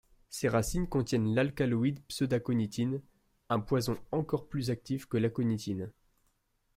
Ses racines contiennent l'alcaloïde pseudaconitine, un poison encore plus actif que l'aconitine.